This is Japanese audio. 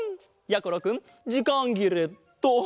やころくんじかんぎれット。